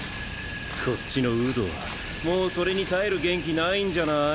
こっちのウドはもうそれに耐える元気ないんじゃない？